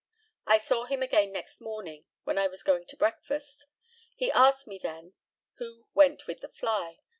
I saw him again next morning, when I was going to breakfast. He asked me then who went with the fly.